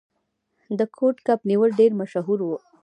د کوډ کب نیول ډیر مشهور و.